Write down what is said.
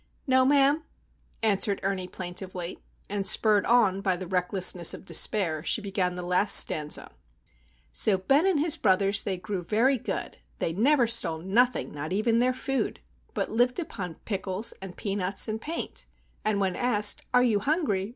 "No, ma'am," answered Ernie, plaintively; and spurred on by the recklessness of despair, she began the last stanza:— So Ben and his brothers they grew very good, They never stole nothing, not even their food! But lived upon pickles, and peanuts, and paint, And when asked, "Are you hungry?"